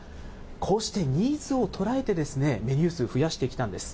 こうしてニーズを捉えて、メニュー数、増やしてきたんです。